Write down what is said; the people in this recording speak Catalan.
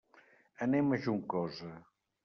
Anem a Juncosa.